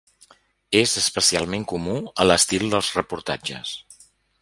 És especialment comú a l'estil dels reportatges.